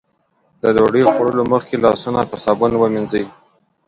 د ډوډۍ خوړلو مخکې لاسونه په صابون ومينځئ.